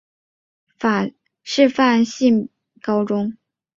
它是许昌市重点高中和河南省首批示范性高中。